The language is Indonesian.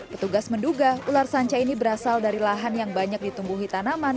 petugas menduga ular sanca ini berasal dari lahan yang banyak ditumbuhi tanaman